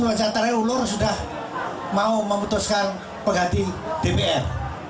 mas mula jantara ulur sudah mau memutuskan peganti dpr